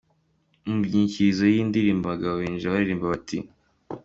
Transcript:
Mu nyikirizo y’iyi ndirimbo abagabo binjira baririmba bati:.